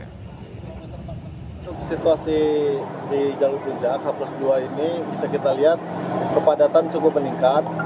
untuk situasi di jalur puncak h plus dua ini bisa kita lihat kepadatan cukup meningkat